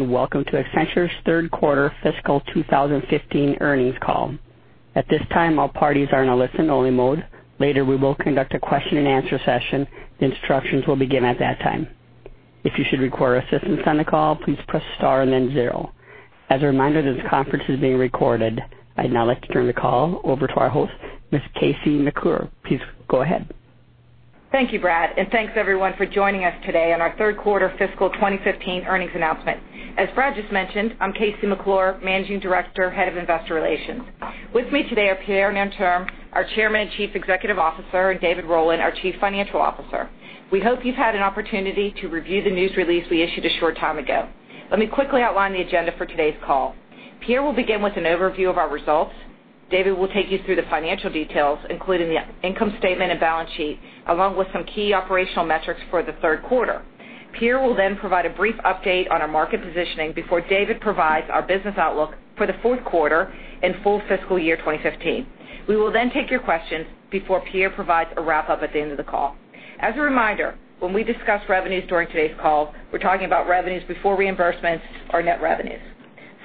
Welcome to Accenture's third quarter fiscal 2015 earnings call. At this time, all parties are in a listen-only mode. Later, we will conduct a question-and-answer session. The instructions will begin at that time. If you should require assistance on the call, please press star and then zero. As a reminder, this conference is being recorded. I'd now like to turn the call over to our host, Ms. KC McClure. Please go ahead. Thank you, Brad, and thanks everyone for joining us today on our third quarter fiscal 2015 earnings announcement. As Brad just mentioned, I'm KC McClure, Managing Director, Head of Investor Relations. With me today are Pierre Nanterme, our Chairman and Chief Executive Officer, and David Rowland, our Chief Financial Officer. We hope you've had an opportunity to review the news release we issued a short time ago. Let me quickly outline the agenda for today's call. Pierre will begin with an overview of our results. David will take you through the financial details, including the income statement and balance sheet, along with some key operational metrics for the third quarter. Pierre will then provide a brief update on our market positioning before David provides our business outlook for the fourth quarter and full fiscal year 2015. We will take your questions before Pierre provides a wrap-up at the end of the call. As a reminder, when we discuss revenues during today's call, we're talking about revenues before reimbursements or net revenues.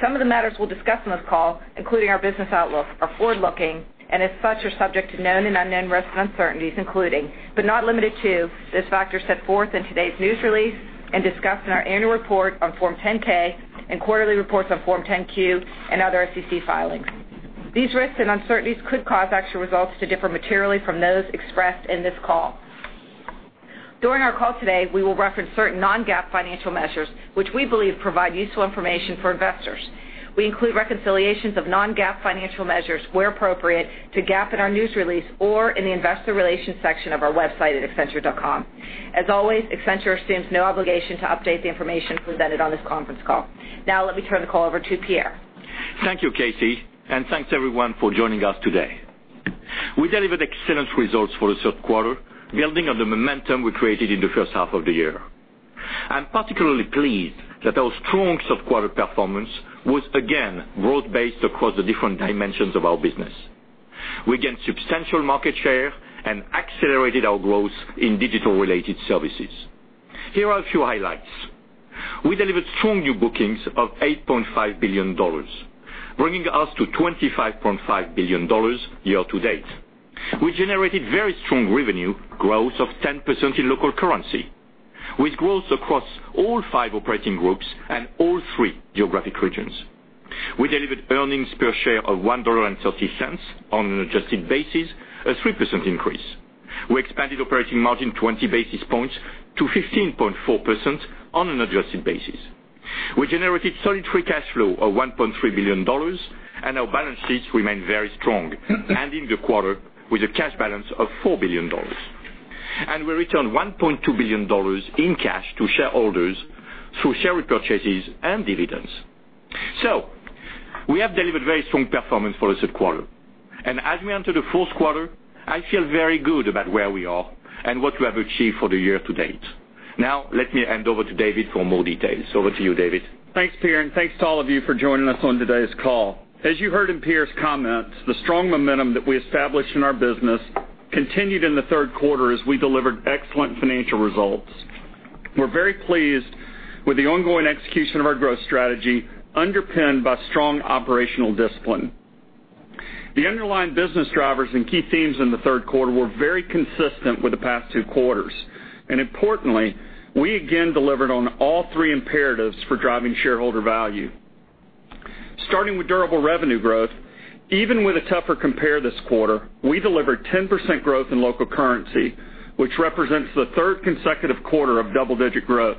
Some of the matters we'll discuss on this call, including our business outlook, are forward-looking and as such, are subject to known and unknown risks and uncertainties, including but not limited to, those factors set forth in today's news release and discussed in our annual report on Form 10-K and quarterly reports on Form 10-Q and other SEC filings. These risks and uncertainties could cause actual results to differ materially from those expressed in this call. During our call today, we will reference certain non-GAAP financial measures, which we believe provide useful information for investors. We include reconciliations of non-GAAP financial measures where appropriate to GAAP in our news release or in the investor relations section of our website at accenture.com. As always, Accenture assumes no obligation to update the information presented on this conference call. Let me turn the call over to Pierre. Thank you, Casey, and thanks everyone for joining us today. We delivered excellent results for the third quarter, building on the momentum we created in the first half of the year. I'm particularly pleased that our strong third quarter performance was again growth-based across the different dimensions of our business. We gained substantial market share and accelerated our growth in digital-related services. Here are a few highlights. We delivered strong new bookings of $8.5 billion, bringing us to $25.5 billion year to date. We generated very strong revenue growth of 10% in local currency, with growth across all five operating groups and all three geographic regions. We delivered earnings per share of $1.30 on an adjusted basis, a 3% increase. We expanded operating margin 20 basis points to 15.4% on an adjusted basis. We generated solid free cash flow of $1.3 billion and our balance sheets remain very strong, ending the quarter with a cash balance of $4 billion. We returned $1.2 billion in cash to shareholders through share repurchases and dividends. We have delivered very strong performance for the third quarter. As we enter the fourth quarter, I feel very good about where we are and what we have achieved for the year to date. Now let me hand over to David for more details. Over to you, David. Thanks, Pierre, and thanks to all of you for joining us on today's call. As you heard in Pierre's comments, the strong momentum that we established in our business continued in the third quarter as we delivered excellent financial results. We're very pleased with the ongoing execution of our growth strategy underpinned by strong operational discipline. The underlying business drivers and key themes in the third quarter were very consistent with the past two quarters. Importantly, we again delivered on all three imperatives for driving shareholder value. Starting with durable revenue growth, even with a tougher compare this quarter, we delivered 10% growth in local currency, which represents the third consecutive quarter of double-digit growth.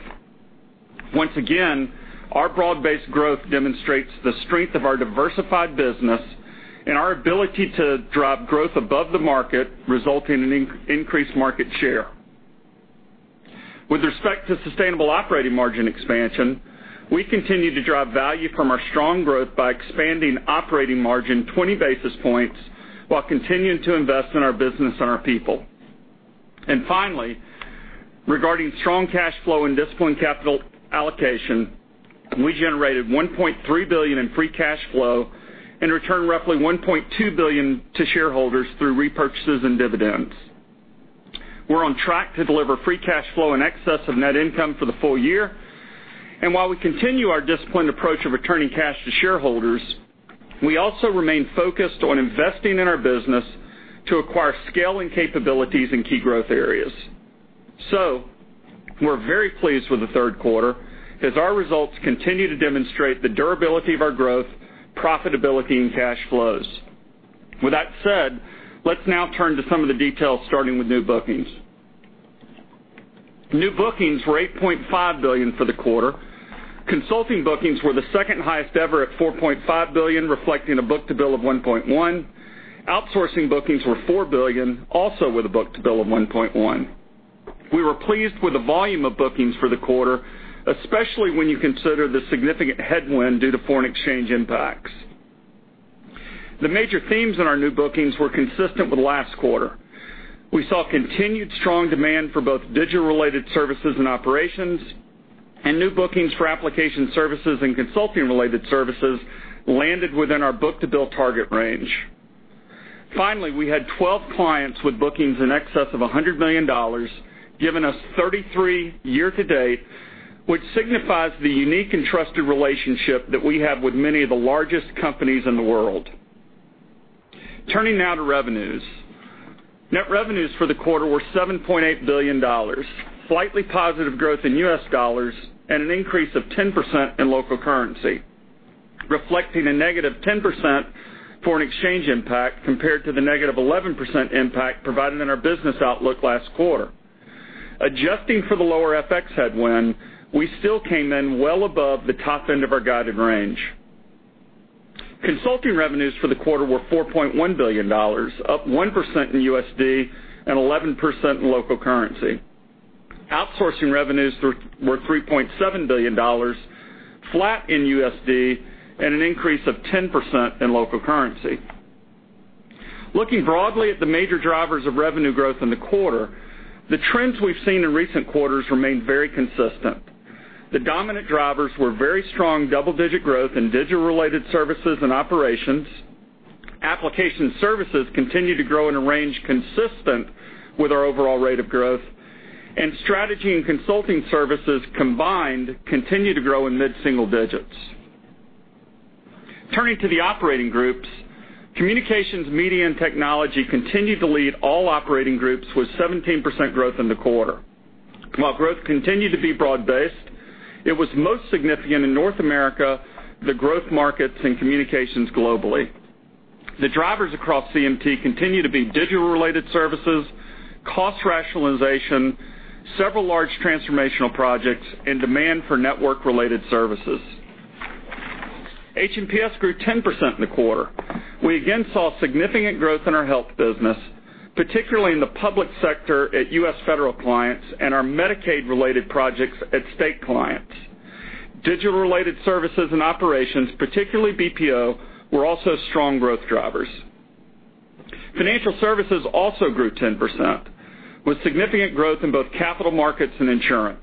Once again, our broad-based growth demonstrates the strength of our diversified business and our ability to drive growth above the market, resulting in increased market share. With respect to sustainable operating margin expansion, we continue to drive value from our strong growth by expanding operating margin 20 basis points while continuing to invest in our business and our people. Finally, regarding strong cash flow and disciplined capital allocation, we generated $1.3 billion in free cash flow and returned roughly $1.2 billion to shareholders through repurchases and dividends. We're on track to deliver free cash flow in excess of net income for the full year. While we continue our disciplined approach of returning cash to shareholders, we also remain focused on investing in our business to acquire scale and capabilities in key growth areas. We're very pleased with the third quarter as our results continue to demonstrate the durability of our growth, profitability, and cash flows. With that said, let's now turn to some of the details, starting with new bookings. New bookings were $8.5 billion for the quarter. Consulting bookings were the second highest ever at $4.5 billion, reflecting a book-to-bill of 1.1. Outsourcing bookings were $4 billion, also with a book-to-bill of 1.1. We were pleased with the volume of bookings for the quarter, especially when you consider the significant headwind due to foreign exchange impacts. The major themes in our new bookings were consistent with last quarter. We saw continued strong demand for both digital-related services and operations, and new bookings for application services and consulting-related services landed within our book-to-bill target range. Finally, we had 12 clients with bookings in excess of $100 million, giving us 33 year-to-date, which signifies the unique and trusted relationship that we have with many of the largest companies in the world. Turning now to revenues. Net revenues for the quarter were $7.8 billion, slightly positive growth in US dollars and an increase of 10% in local currency, reflecting a negative 10% foreign exchange impact compared to the negative 11% impact provided in our business outlook last quarter. Adjusting for the lower FX headwind, we still came in well above the top end of our guided range. Consulting revenues for the quarter were $4.1 billion, up 1% in USD and 11% in local currency. Outsourcing revenues were $3.7 billion, flat in USD and an increase of 10% in local currency. Looking broadly at the major drivers of revenue growth in the quarter, the trends we've seen in recent quarters remain very consistent. The dominant drivers were very strong double-digit growth in digital-related services and operations. Application services continued to grow in a range consistent with our overall rate of growth, and strategy and consulting services combined continued to grow in mid-single digits. Turning to the operating groups, Communications, Media & Technology continued to lead all operating groups with 17% growth in the quarter. While growth continued to be broad-based, it was most significant in North America, the growth markets, and communications globally. The drivers across CMT continue to be digital-related services, cost rationalization, several large transformational projects, and demand for network-related services. H&PS grew 10% in the quarter. We again saw significant growth in our health business, particularly in the public sector at U.S. federal clients and our Medicaid-related projects at state clients. Digital-related services and operations, particularly BPO, were also strong growth drivers. Financial services also grew 10%, with significant growth in both capital markets and insurance.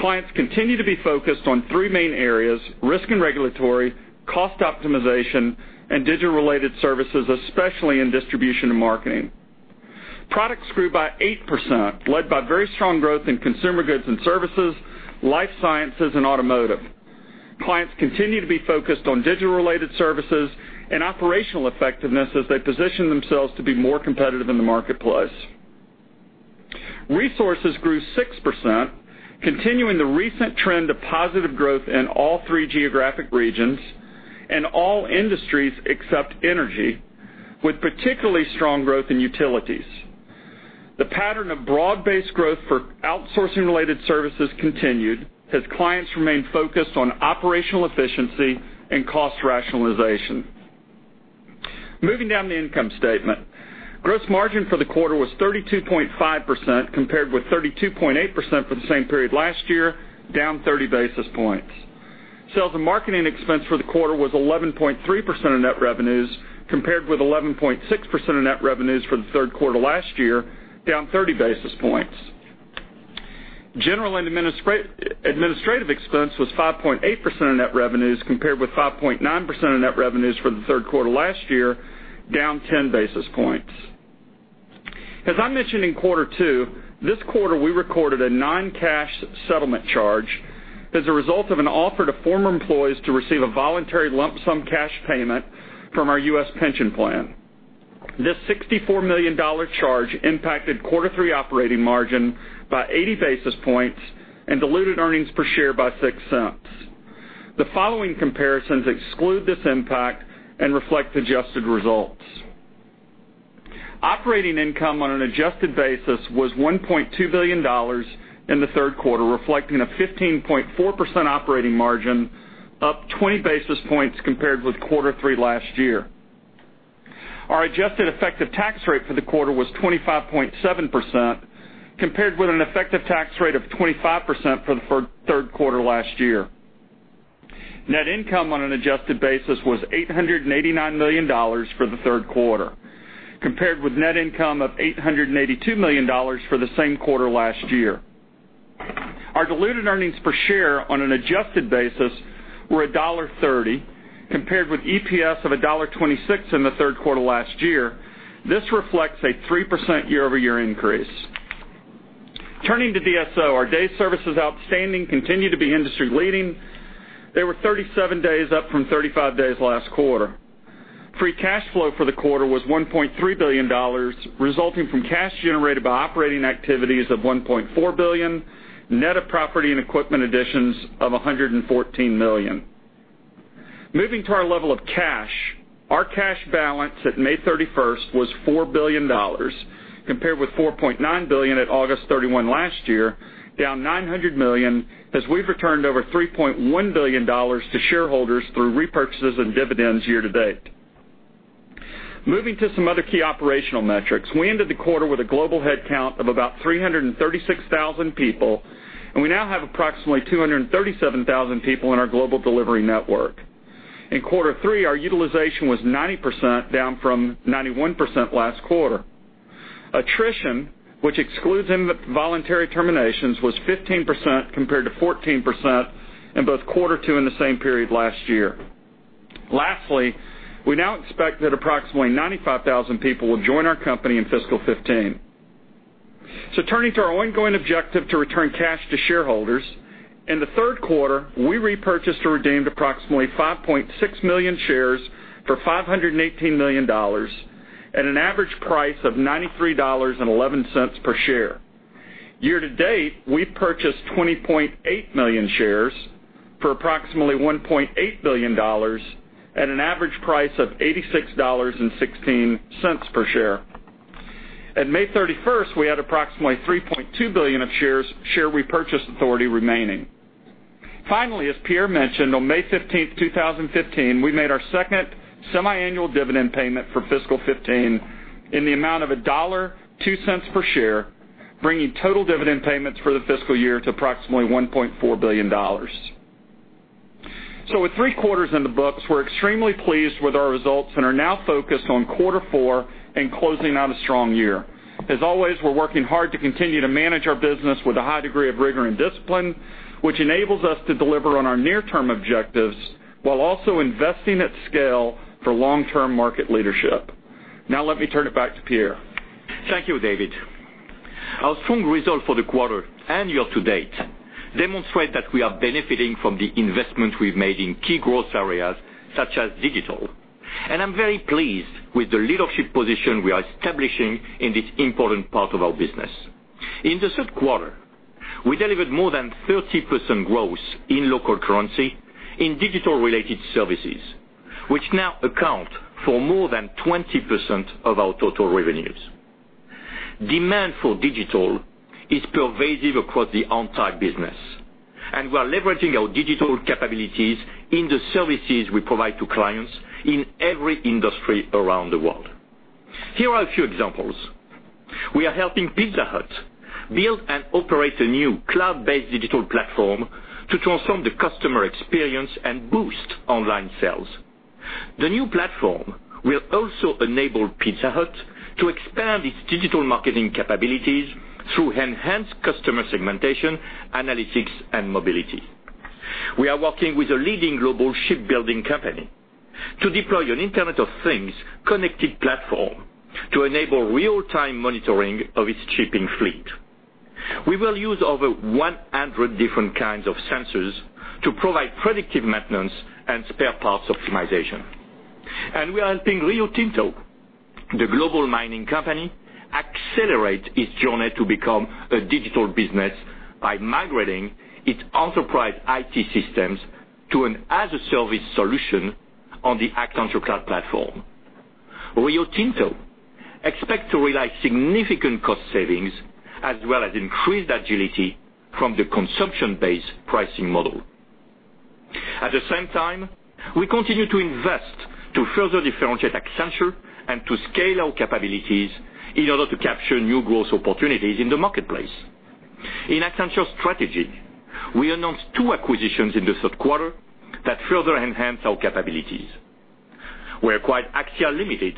Clients continue to be focused on three main areas, risk and regulatory, cost optimization, and digital-related services, especially in distribution and marketing. Products grew by 8%, led by very strong growth in consumer goods and services, life sciences, and automotive. Clients continue to be focused on digital-related services and operational effectiveness as they position themselves to be more competitive in the marketplace. Resources grew 6%, continuing the recent trend of positive growth in all three geographic regions and all industries except energy, with particularly strong growth in utilities. The pattern of broad-based growth for outsourcing-related services continued as clients remained focused on operational efficiency and cost rationalization. Moving down the income statement. Gross margin for the quarter was 32.5%, compared with 32.8% for the same period last year, down 30 basis points. Sales and marketing expense for the quarter was 11.3% of net revenues, compared with 11.6% of net revenues for the third quarter last year, down 30 basis points. General and administrative expense was 5.8% of net revenues compared with 5.9% of net revenues for the third quarter last year, down 10 basis points. As I mentioned in quarter two, this quarter, we recorded a non-cash settlement charge as a result of an offer to former employees to receive a voluntary lump sum cash payment from our U.S. pension plan. This $64 million charge impacted quarter three operating margin by 80 basis points and diluted earnings per share by $0.06. The following comparisons exclude this impact and reflect adjusted results. Operating income on an adjusted basis was $1.2 billion in the third quarter, reflecting a 15.4% operating margin, up 20 basis points compared with quarter three last year. Our adjusted effective tax rate for the quarter was 25.7%, compared with an effective tax rate of 25% for the third quarter last year. Net income on an adjusted basis was $889 million for the third quarter, compared with net income of $882 million for the same quarter last year. Our diluted earnings per share on an adjusted basis were $1.30, compared with EPS of $1.26 in the third quarter last year. This reflects a 3% year-over-year increase. Turning to DSO, our days services outstanding continued to be industry-leading. They were 37 days, up from 35 days last quarter. Free cash flow for the quarter was $1.3 billion, resulting from cash generated by operating activities of $1.4 billion, net of property and equipment additions of $114 million. Moving to our level of cash. Our cash balance at May 31st was $4 billion, compared with $4.9 billion at August 31 last year, down $900 million, as we've returned over $3.1 billion to shareholders through repurchases and dividends year to date. Moving to some other key operational metrics. We ended the quarter with a global headcount of about 336,000 people, and we now have approximately 237,000 people in our global delivery network. In quarter three, our utilization was 90%, down from 91% last quarter. Attrition, which excludes involuntary terminations, was 15% compared to 14% in both quarter two in the same period last year. Lastly, we now expect that approximately 95,000 people will join our company in fiscal 2015. Turning to our ongoing objective to return cash to shareholders, in the third quarter, we repurchased or redeemed approximately 5.6 million shares for $518 million at an average price of $93.11 per share. Year to date, we've purchased 20.8 million shares for approximately $1.8 billion at an average price of $86.16 per share. At May 31st, we had approximately 3.2 billion of shares, share repurchase authority remaining. Finally, as Pierre mentioned, on May 15th, 2015, we made our second semi-annual dividend payment for fiscal 2015 in the amount of $1.02 per share, bringing total dividend payments for the fiscal year to approximately $1.4 billion. With three quarters in the books, we're extremely pleased with our results and are now focused on quarter four and closing out a strong year. As always, we're working hard to continue to manage our business with a high degree of rigor and discipline, which enables us to deliver on our near-term objectives while also investing at scale for long-term market leadership. Now let me turn it back to Pierre. Thank you, David. Our strong results for the quarter and year to date demonstrate that we are benefiting from the investments we've made in key growth areas such as digital. I'm very pleased with the leadership position we are establishing in this important part of our business. In the third quarter, we delivered more than 30% growth in local currency in digital-related services, which now account for more than 20% of our total revenues. Demand for digital is pervasive across the entire business, and we are leveraging our digital capabilities in the services we provide to clients in every industry around the world. Here are a few examples. We are helping Pizza Hut build and operate a new cloud-based digital platform to transform the customer experience and boost online sales. The new platform will also enable Pizza Hut to expand its digital marketing capabilities through enhanced customer segmentation, analytics, and mobility. We are working with a leading global shipbuilding company to deploy an Internet of Things connected platform to enable real-time monitoring of its shipping fleet. We will use over 100 different kinds of sensors to provide predictive maintenance and spare parts optimization. We are helping Rio Tinto, the global mining company, accelerate its journey to become a digital business by migrating its enterprise IT systems to an as-a-service solution on the Accenture Cloud Platform. Rio Tinto expects to realize significant cost savings, as well as increased agility from the consumption-based pricing model. At the same time, we continue to invest to further differentiate Accenture and to scale our capabilities in order to capture new growth opportunities in the marketplace. In Accenture Strategy, we announced two acquisitions in the third quarter that further enhance our capabilities. We acquired Axia Limited,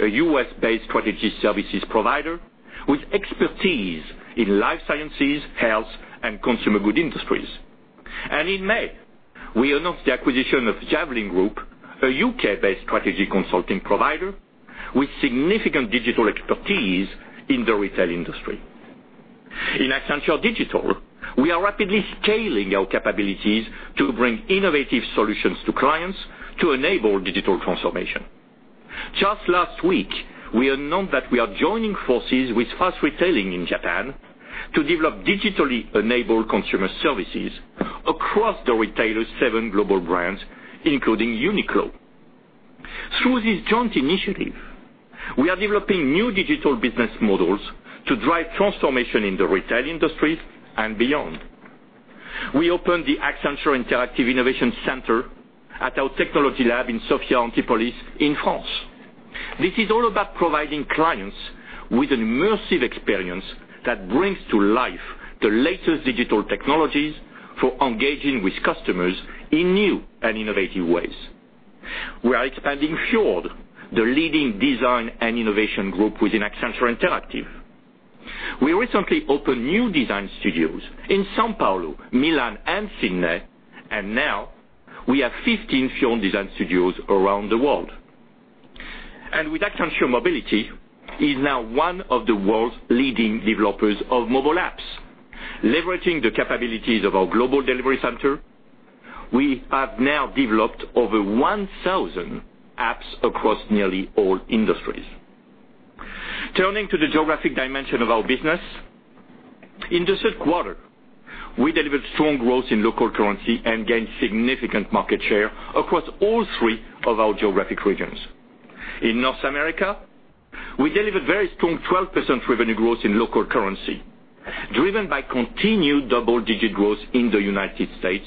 a U.S.-based strategy services provider with expertise in life sciences, health, and consumer goods industries. In May, we announced the acquisition of Javelin Group, a U.K.-based strategy consulting provider with significant digital expertise in the retail industry. In Accenture Digital, we are rapidly scaling our capabilities to bring innovative solutions to clients to enable digital transformation. Just last week, we announced that we are joining forces with Fast Retailing in Japan to develop digitally enabled consumer services across the retailer's seven global brands, including Uniqlo. Through this joint initiative, we are developing new digital business models to drive transformation in the retail industry and beyond. We opened the Accenture Interactive Innovation Center at our technology lab in Sophia Antipolis in France. This is all about providing clients with an immersive experience that brings to life the latest digital technologies for engaging with customers in new and innovative ways. We are expanding Fjord, the leading design and innovation group within Accenture Interactive. We recently opened new design studios in São Paulo, Milan, and Sydney, and now we have 15 Fjord design studios around the world. With Accenture Mobility, is now one of the world's leading developers of mobile apps. Leveraging the capabilities of our global delivery center, we have now developed over 1,000 apps across nearly all industries. Turning to the geographic dimension of our business, in the third quarter, we delivered strong growth in local currency and gained significant market share across all three of our geographic regions. In North America, we delivered very strong 12% revenue growth in local currency, driven by continued double-digit growth in the United States,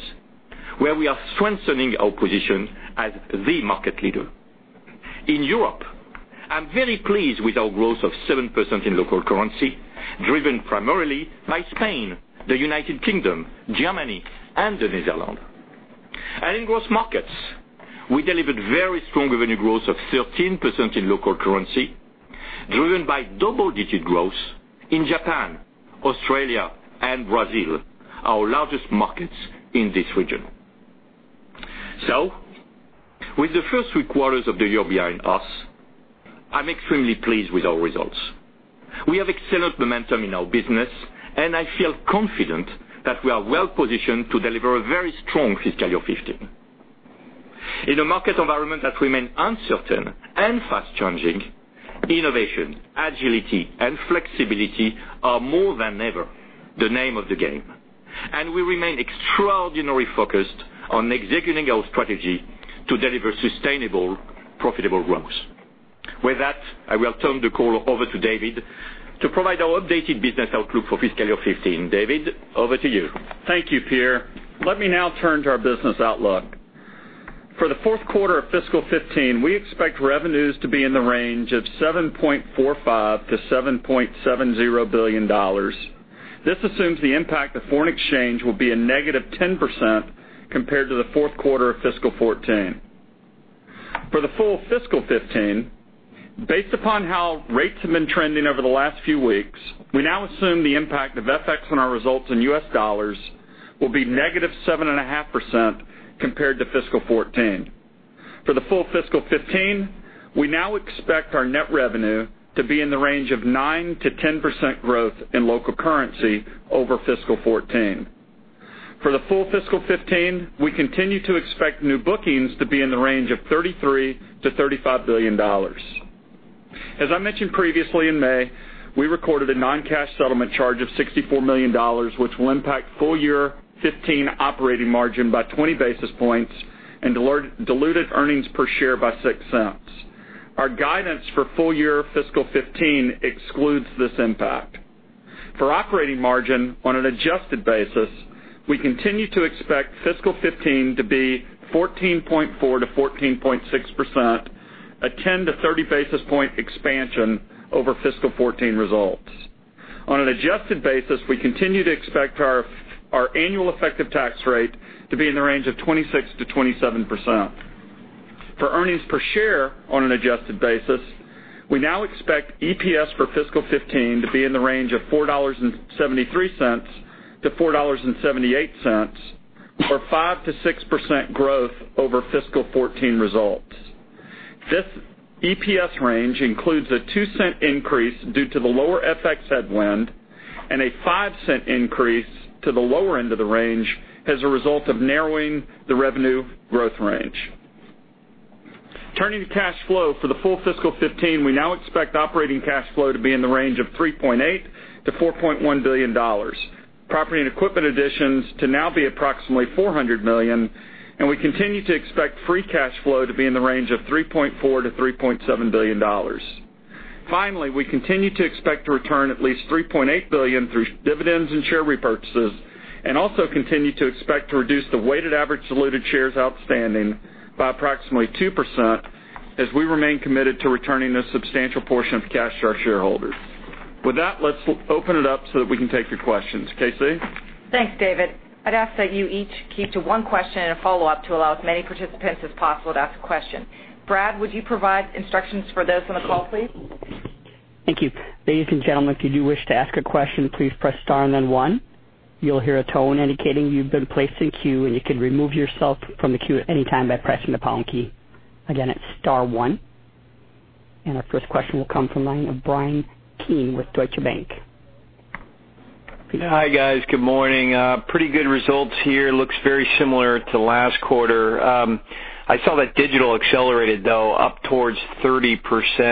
where we are strengthening our position as the market leader. In Europe, I'm very pleased with our growth of 7% in local currency, driven primarily by Spain, the United Kingdom, Germany, and the Netherlands. In growth markets, we delivered very strong 13% revenue growth in local currency, driven by double-digit growth in Japan, Australia, and Brazil, our largest markets in this region. With the first three quarters of the year behind us, I'm extremely pleased with our results. We have excellent momentum in our business, and I feel confident that we are well-positioned to deliver a very strong fiscal year 2015. In a market environment that remains uncertain and fast-changing, innovation, agility, and flexibility are more than ever the name of the game. We remain extraordinarily focused on executing our strategy to deliver sustainable, profitable growth. With that, I will turn the call over to David to provide our updated business outlook for fiscal year 2015. David, over to you. Thank you, Pierre. Let me now turn to our business outlook. For the fourth quarter of fiscal 2015, we expect revenues to be in the range of $7.45 billion-$7.70 billion. This assumes the impact of foreign exchange will be a negative 10% compared to the fourth quarter of fiscal 2014. For the full fiscal 2015, based upon how rates have been trending over the last few weeks, we now assume the impact of FX on our results in US dollars will be negative 7.5% compared to fiscal 2014. For the full fiscal 2015, we now expect our net revenue to be in the range of 9%-10% growth in local currency over fiscal 2014. For the full fiscal 2015, we continue to expect new bookings to be in the range of $33 billion-$35 billion. As I mentioned previously in May, we recorded a non-cash settlement charge of $64 million, which will impact full year 2015 operating margin by 20 basis points and diluted earnings per share by $0.06. Our guidance for full year fiscal 2015 excludes this impact. For operating margin on an adjusted basis, we continue to expect fiscal 2015 to be 14.4%-14.6%, a 10-30 basis point expansion over fiscal 2014 results. On an adjusted basis, we continue to expect our annual effective tax rate to be in the range of 26%-27%. For earnings per share on an adjusted basis, we now expect EPS for fiscal 2015 to be in the range of $4.73-$4.78, or 5%-6% growth over fiscal 2014 results. This EPS range includes a $0.02 increase due to the lower FX headwind and a $0.05 increase to the lower end of the range as a result of narrowing the revenue growth range. Turning to cash flow for the full fiscal 2015, we now expect operating cash flow to be in the range of $3.8 billion-$4.1 billion, property and equipment additions to now be approximately $400 million, and we continue to expect free cash flow to be in the range of $3.4 billion-$3.7 billion. Finally, we continue to expect to return at least $3.8 billion through dividends and share repurchases and also continue to expect to reduce the weighted average diluted shares outstanding by approximately 2% as we remain committed to returning a substantial portion of cash to our shareholders. With that, let's open it up so that we can take your questions. Casey? Thanks, David. I'd ask that you each keep to one question and a follow-up to allow as many participants as possible to ask a question. Brad, would you provide instructions for those on the call, please? Thank you. Ladies and gentlemen, if you do wish to ask a question, please press star and then one. You'll hear a tone indicating you've been placed in queue, and you can remove yourself from the queue at any time by pressing the pound key. Again, it's star one. Our first question will come from the line of Bryan Keane with Deutsche Bank. Hi, guys. Good morning. Pretty good results here. Looks very similar to last quarter. I saw that Digital accelerated, though, up towards 30%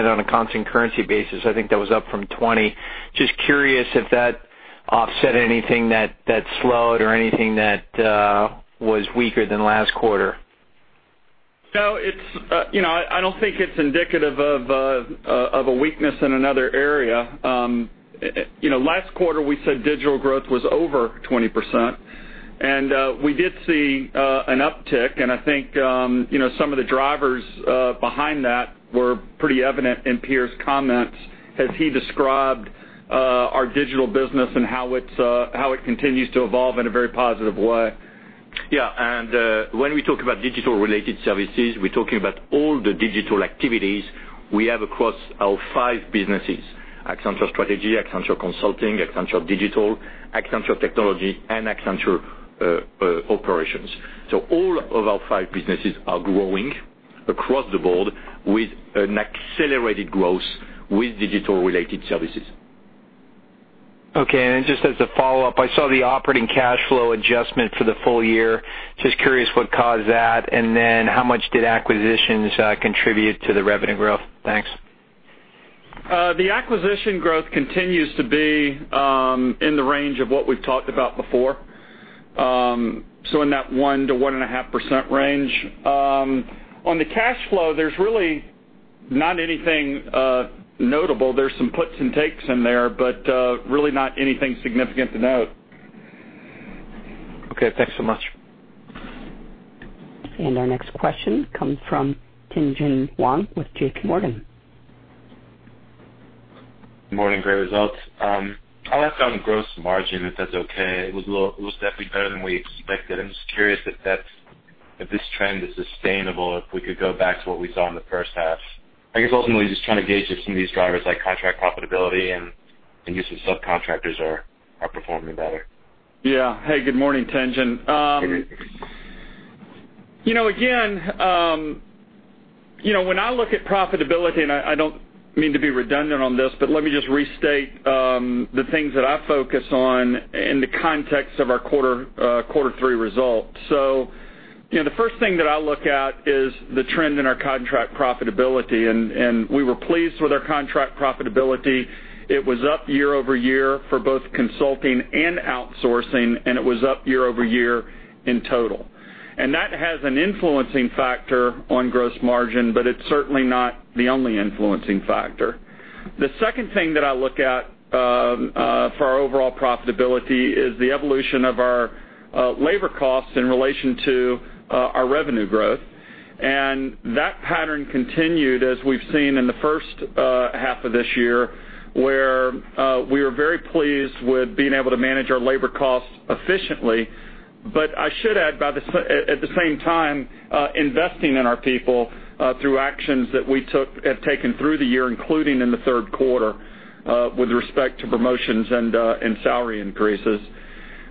on a constant currency basis. I think that was up from 20%. Just curious if that offset anything that slowed or anything that was weaker than last quarter. No. I don't think it's indicative of a weakness in another area. Last quarter, we said digital growth was over 20%, and we did see an uptick, and I think some of the drivers behind that were pretty evident in Pierre's comments as he described our digital business and how it continues to evolve in a very positive way. Yeah. When we talk about digital-related services, we're talking about all the digital activities we have across our five businesses, Accenture Strategy, Accenture Consulting, Accenture Digital, Accenture Technology, and Accenture Operations. All of our five businesses are growing across the board with an accelerated growth with digital-related services. Okay. Just as a follow-up, I saw the operating cash flow adjustment for the full year. Just curious what caused that, and then how much did acquisitions contribute to the revenue growth? Thanks. The acquisition growth continues to be in the range of what we've talked about before, so in that 1%-1.5% range. On the cash flow, there's really not anything notable. There's some puts and takes in there, but really not anything significant to note. Okay. Thanks so much. Our next question comes from Tien-Tsin Huang with JPMorgan. Morning. Great results. I'll ask on gross margin, if that's okay. It was definitely better than we expected. I'm just curious if this trend is sustainable, if we could go back to what we saw in the first half. I guess ultimately, just trying to gauge if some of these drivers like contract profitability and use of subcontractors are performing better. Yeah. Hey, good morning, Tien-Tsin. Hey. When I look at profitability, I don't mean to be redundant on this, but let me just restate the things that I focus on in the context of our quarter three results. The first thing that I look at is the trend in our contract profitability. We were pleased with our contract profitability. It was up year-over-year for both consulting and outsourcing, and it was up year-over-year in total. That has an influencing factor on gross margin, but it's certainly not the only influencing factor. The second thing that I look at for our overall profitability is the evolution of our labor costs in relation to our revenue growth. That pattern continued as we've seen in the first half of this year, where we are very pleased with being able to manage our labor costs efficiently. I should add, at the same time, investing in our people through actions that we have taken through the year, including in the third quarter with respect to promotions and salary increases.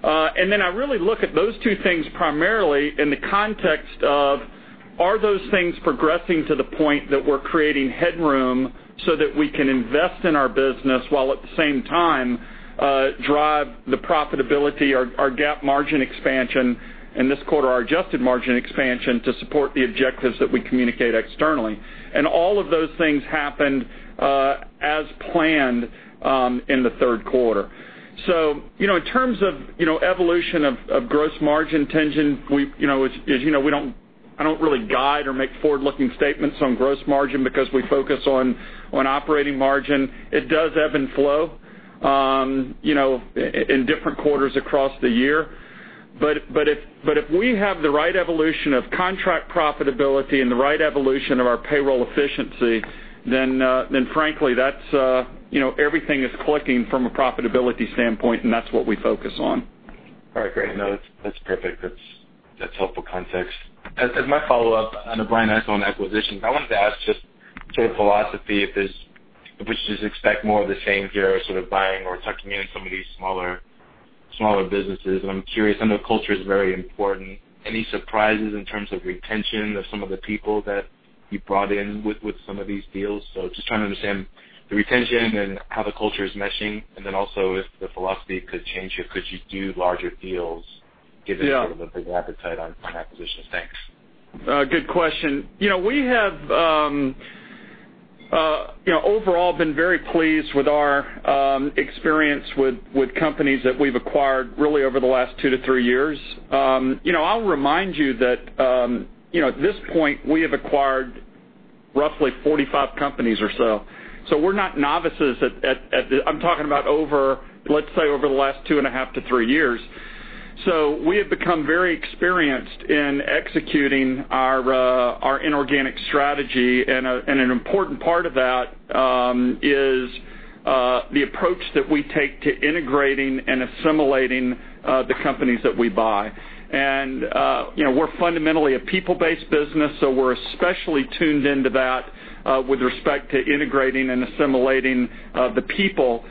I really look at those two things primarily in the context of are those things progressing to the point that we're creating headroom so that we can invest in our business while at the same time drive the profitability, our GAAP margin expansion and this quarter our adjusted margin expansion to support the objectives that we communicate externally. All of those things happened as planned in the third quarter. In terms of evolution of gross margin, Tengen, I don't really guide or make forward-looking statements on gross margin because we focus on operating margin. It does ebb and flow in different quarters across the year. If we have the right evolution of contract profitability and the right evolution of our payroll efficiency, frankly, everything is clicking from a profitability standpoint, that's what we focus on. All right, great. No, that's perfect. That's helpful context. As my follow-up on the Brian Essex acquisition, I wanted to ask just your philosophy if we should just expect more of the same here, sort of buying or tucking in some of these smaller businesses. I'm curious, I know culture is very important. Any surprises in terms of retention of some of the people that you brought in with some of these deals? Just trying to understand the retention and how the culture is meshing, also if the philosophy could change or could you do larger deals given- Yeah sort of the big appetite on acquisitions. Thanks. Good question. We have overall been very pleased with our experience with companies that we've acquired really over the last two to three years. I'll remind you that at this point, we have acquired roughly 45 companies or so. We're not novices at the-- I'm talking about over, let's say, over the last two and a half to three years. We have become very experienced in executing our inorganic strategy, and an important part of that is the approach that we take to integrating and assimilating the companies that we buy. We're fundamentally a people-based business, so we're especially tuned into that with respect to integrating and assimilating the people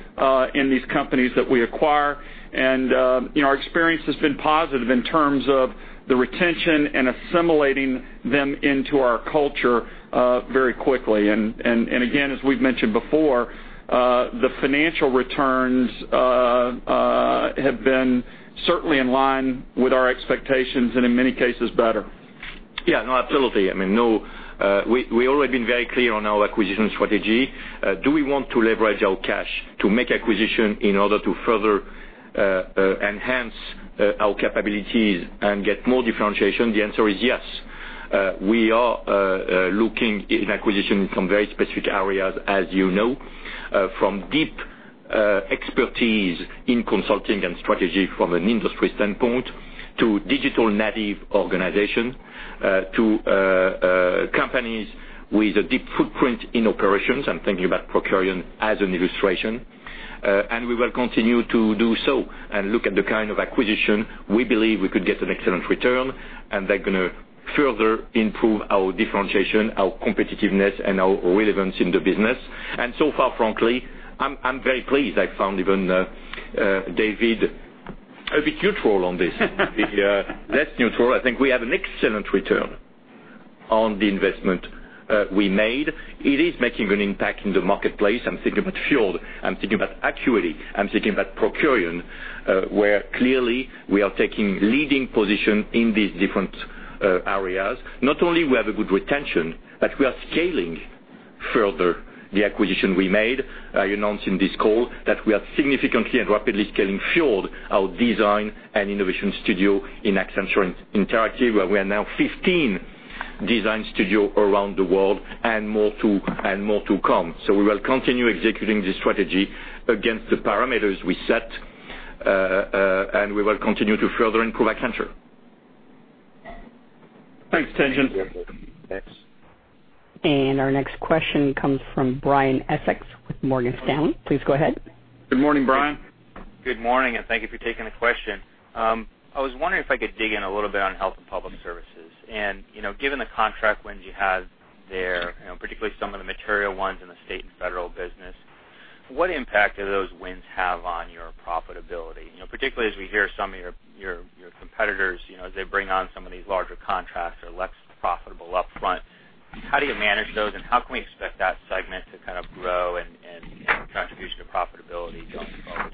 in these companies that we acquire. Our experience has been positive in terms of the retention and assimilating them into our culture very quickly. Again, as we've mentioned before, the financial returns have been certainly in line with our expectations and in many cases better. Yeah, no, absolutely. We've already been very clear on our acquisition strategy. Do we want to leverage our cash to make acquisition in order to further enhance our capabilities and get more differentiation? The answer is yes. We are looking in acquisition in some very specific areas, as you know. From deep expertise in consulting and strategy from an industry standpoint to digital native organizations to companies with a deep footprint in operations. I'm thinking about Procurian as an illustration. We will continue to do so and look at the kind of acquisition we believe we could get an excellent return, and they're going to further improve our differentiation, our competitiveness, and our relevance in the business. So far, frankly, I'm very pleased. I found even David a bit neutral on this. Less neutral. I think we had an excellent return on the investment we made. It is making an impact in the marketplace. I'm thinking about Fjord. I'm thinking about Actuary. I'm thinking about Procurian, where clearly we are taking leading position in these different areas. Not only we have a good retention, but we are scaling further the acquisition we made. I announced in this call that we are significantly and rapidly scaling Fjord, our design and innovation studio in Accenture Interactive, where we are now 15 design studios around the world and more to come. We will continue executing this strategy against the parameters we set, and we will continue to further improve Accenture. Thanks, Tien-Tsin. You're welcome. Thanks. Our next question comes from Brian Essex with Morgan Stanley. Please go ahead. Good morning, Brian. Good morning. Thank you for taking the question. I was wondering if I could dig in a little bit on Health & Public Service. Given the contract wins you had there, particularly some of the material ones in the state and federal business, what impact do those wins have on your profitability? Particularly as we hear some of your competitors, as they bring on some of these larger contracts are less profitable up front. How do you manage those, and how can we expect that segment to grow and contribute to profitability going forward?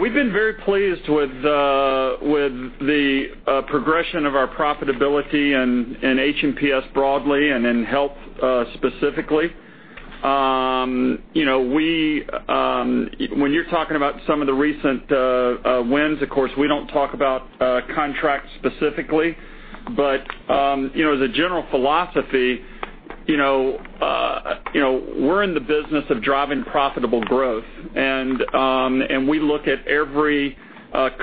We've been very pleased with the progression of our profitability in H&PS broadly and in health, specifically. When you're talking about some of the recent wins, of course, we don't talk about contracts specifically. As a general philosophy, we're in the business of driving profitable growth, and we look at every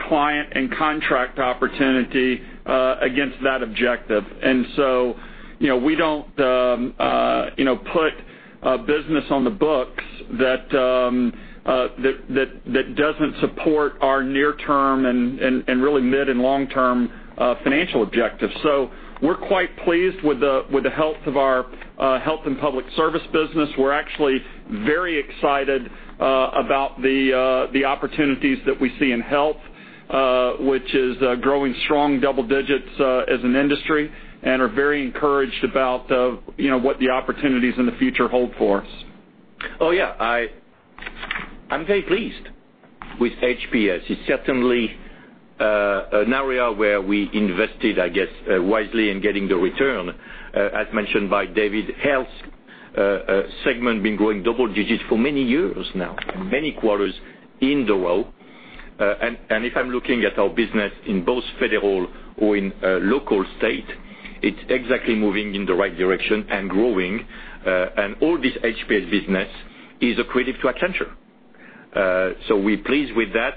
client and contract opportunity against that objective. We don't put business on the books that doesn't support our near-term and really mid and long-term financial objectives. We're quite pleased with the health of our Health & Public Service business. We're actually very excited about the opportunities that we see in health, which is growing strong double digits as an industry, and are very encouraged about what the opportunities in the future hold for us. I'm very pleased with H&PS. It's certainly an area where we invested, I guess, wisely in getting the return. As mentioned by David, health segment been growing double digits for many years now, many quarters in a row. If I'm looking at our business in both federal or in local state, it's exactly moving in the right direction and growing. All this H&PS business is accretive to Accenture. We're pleased with that.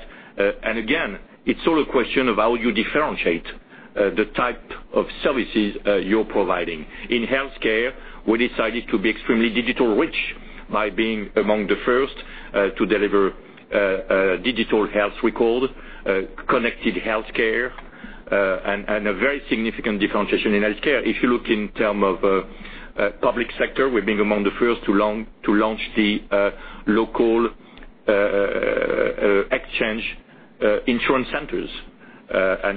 Again, it's all a question of how you differentiate the type of services you're providing. In healthcare, we decided to be extremely digital-rich by being among the first to deliver digital health record, connected healthcare, and a very significant differentiation in healthcare. If you look in term of public sector, we've been among the first to launch the local exchange insurance centers.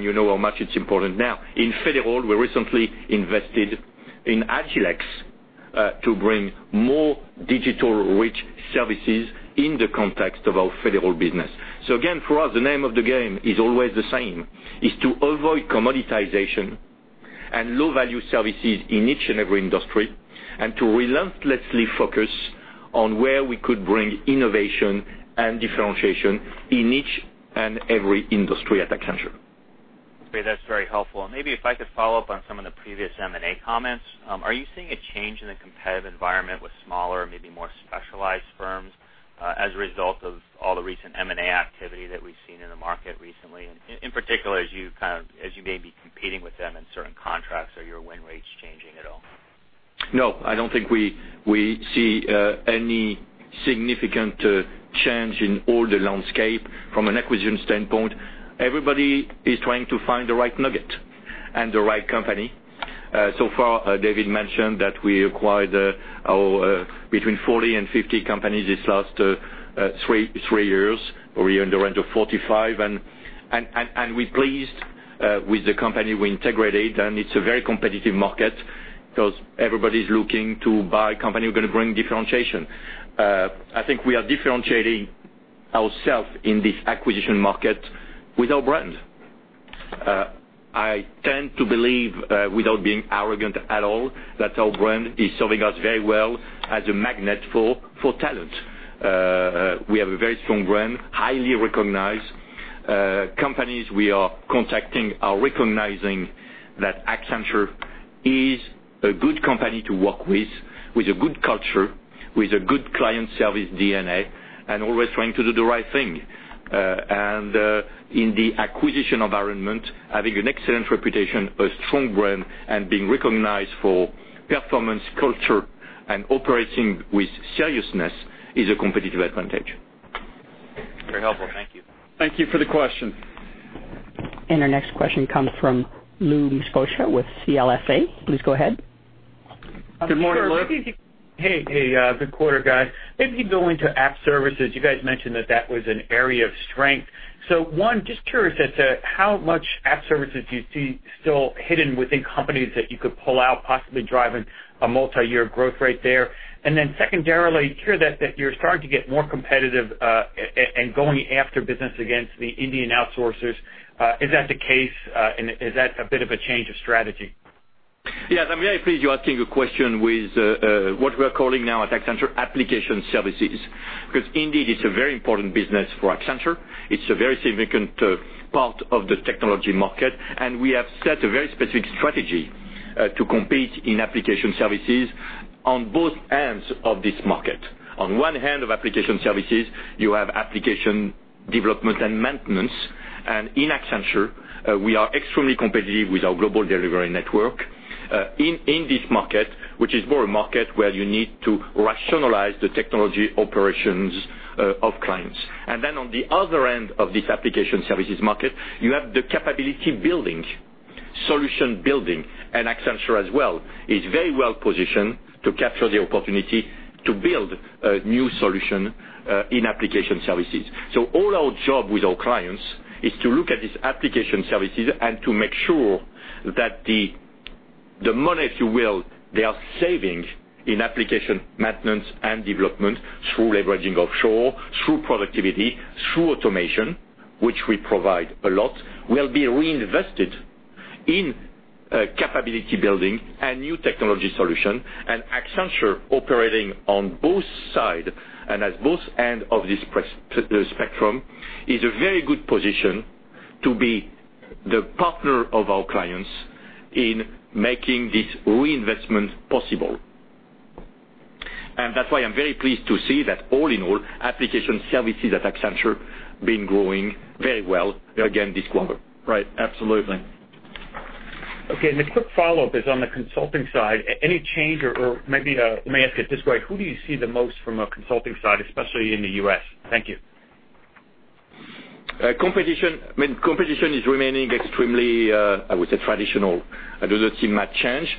You know how much it's important now. In federal, we recently invested in Agilex to bring more digital-rich services in the context of our federal business. Again, for us, the name of the game is always the same, is to avoid commoditization and low-value services in each and every industry, and to relentlessly focus on where we could bring innovation and differentiation in each and every industry at Accenture. Great. That's very helpful. Maybe if I could follow up on some of the previous M&A comments. Are you seeing a change in the competitive environment with smaller, maybe more specialized firms, as a result of all the recent M&A activity that we've seen in the market recently? In particular, as you may be competing with them in certain contracts, are your win rates changing at all? No, I don't think we see any significant change in all the landscape from an acquisition standpoint. Everybody is trying to find the right nugget and the right company. Far, David mentioned that we acquired between 40 and 50 companies this last three years. We're in the range of 45, and we're pleased with the company we integrated, and it's a very competitive market because everybody's looking to buy a company who are going to bring differentiation. I think we are differentiating ourselves in this acquisition market with our brand. I tend to believe, without being arrogant at all, that our brand is serving us very well as a magnet for talent. We have a very strong brand, highly recognized. Companies we are contacting are recognizing that Accenture is a good company to work with a good culture, with a good client service DNA, and always trying to do the right thing. In the acquisition environment, having an excellent reputation, a strong brand, and being recognized for performance culture and operating with seriousness is a competitive advantage. Very helpful. Thank you. Thank you for the question. Our next question comes from Louis Miscioscia with CLSA. Please go ahead. Good morning, Lou. Hey. Good quarter, guys. Maybe going to app services, you guys mentioned that that was an area of strength. One, just curious as to how much app services do you see still hidden within companies that you could pull out, possibly driving a multi-year growth rate there. Secondarily, you hear that you're starting to get more competitive, and going after business against the Indian outsourcers. Is that the case? Is that a bit of a change of strategy? Yes, I'm very pleased you're asking a question with what we're calling now at Accenture, application services, because indeed, it's a very important business for Accenture. It's a very significant part of the technology market. We have set a very specific strategy to compete in application services. On both ends of this market. On one end of application services, you have application development and maintenance. In Accenture, we are extremely competitive with our global delivery network in this market, which is more a market where you need to rationalize the technology operations of clients. On the other end of this application services market, you have the capability building, solution building. Accenture as well is very well-positioned to capture the opportunity to build a new solution in application services. All our job with our clients is to look at these application services and to make sure that the money, if you will, they are saving in application maintenance and development through leveraging offshore, through productivity, through automation, which we provide a lot, will be reinvested in capability building and new technology solution. Accenture operating on both sides and at both ends of this spectrum is a very good position to be the partner of our clients in making this reinvestment possible. That's why I'm very pleased to see that all in all, application services at Accenture been growing very well again this quarter. Right. Absolutely. Quick follow-up is on the consulting side. Any change or maybe let me ask it this way, who do you see the most from a consulting side, especially in the U.S.? Thank you. Competition is remaining extremely, I would say traditional. I do not see much change.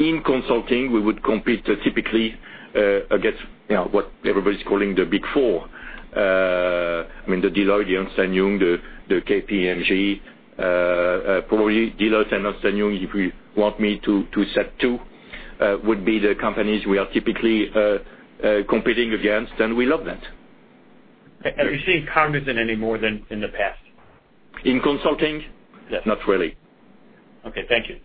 In consulting, we would compete typically against what everybody's calling the Big Four. I mean the Deloitte, the Ernst & Young, the KPMG. Probably Deloitte and Ernst & Young, if you want me to set two, would be the companies we are typically competing against, and we love that. Have you seen Cognizant any more than in the past? In consulting? Yes. Not really. Okay. Thank you.